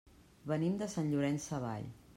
Venim de Sant Llorenç Savall.